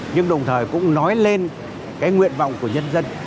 nhưng đồng thời cũng nói lên cái nguyện vọng của nhân dân